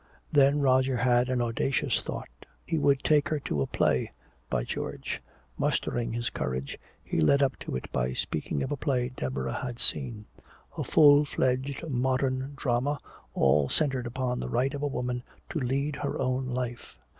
Then Roger had an audacious thought. He would take her to a play, by George! Mustering his courage he led up to it by speaking of a play Deborah had seen, a full fledged modern drama all centered upon the right of a woman "to lead her own life."